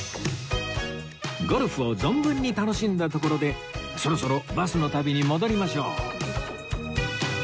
ゴルフを存分に楽しんだところでそろそろバスの旅に戻りましょう